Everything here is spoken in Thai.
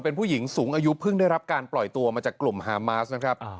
เป็นผู้หญิงสูงอายุเพิ่งได้รับการปล่อยตัวมาจากกลุ่มฮามาสนะครับ